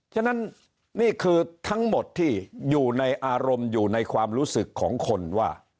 ฉะนั้นนี่คือทั้งหมดที่อยู่ในอารมณ์อยู่ในความรู้สึกของคนว่า